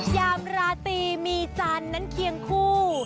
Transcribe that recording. ยามราตรีมีจันทร์นั้นเคียงคู่